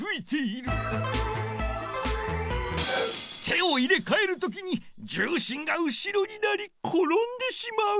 手を入れかえるときに重心が後ろになりころんでしまう。